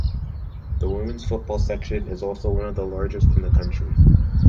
The women's football section is also one of the largest in the country.